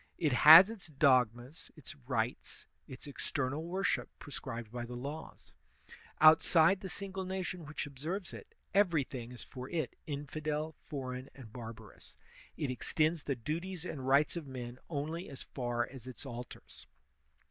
It has its dogmas, its rites, its external worship prescribed by the laws; out side the single nation which observes it, everjrthing is for it infidel, foreign, and barbarous; it extends the duties and rights of men only as far as its altars.